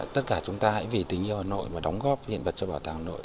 tất cả chúng ta hãy vì tình yêu hà nội và đóng góp hiện vật cho bảo tàng hà nội